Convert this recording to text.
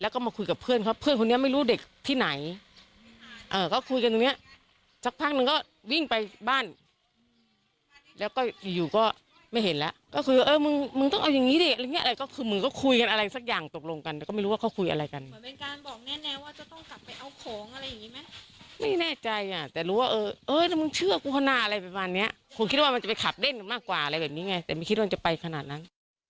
คงคิดว่ามันจะไปขับเด้นมากกว่าอะไรแบบนี้ไงแต่ไม่คิดว่าจะไปขนาดนั้น